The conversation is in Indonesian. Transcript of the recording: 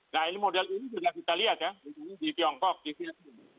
nah ini model ini juga kita lihat ya misalnya di tiongkok di vietnam